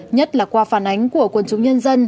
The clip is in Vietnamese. nhất là qua phản ánh của quân chúng nhân dân